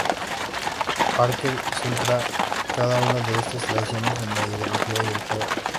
Parker centra cada una de estas tradiciones en la ideología y el poder.